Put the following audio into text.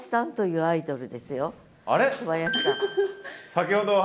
先ほどは。